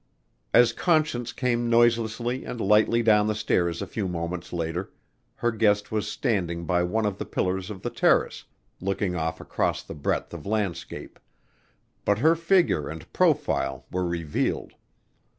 As Conscience came noiselessly and lightly down the stairs a few moments later her guest was standing by one of the pillars of the terrace, looking off across the breadth of landscape, but her figure and profile were revealed.